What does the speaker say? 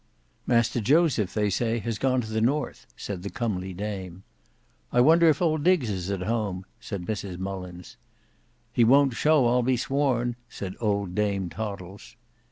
"Master Joseph they say has gone to the North," said the comely dame. "I wonder if old Diggs is at home?" said Mrs Mullins. "He won't show I'll be sworn," said old Dame Toddles.